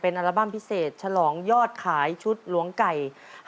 อัลบั้มพิเศษฉลองยอดขายชุดหลวงไก่